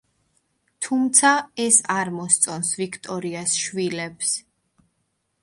თუმცა ეს არ მოსწონს ვიქტორიას შვილებს.